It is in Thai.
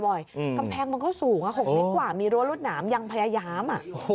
กำแพงมันก็สูง๖เมตรกว่ามีรั้วรวดหนามยังพยายาม